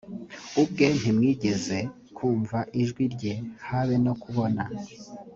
ubwe ntimwigeze kumva ijwi rye habe no kubona